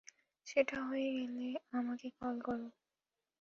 সেটা হয়ে গেলে আমাকে কল করো!